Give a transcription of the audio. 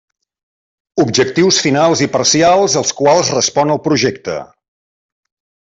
Objectius finals i parcials als quals respon el projecte.